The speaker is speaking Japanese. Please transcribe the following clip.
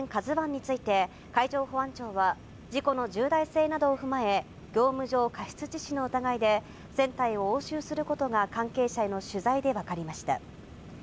ＫＡＺＵＩについて、海上保安庁は、事故の重大性などを踏まえ、業務上過失致死の疑いで、船体を押収することが関係者への取材で分かりました。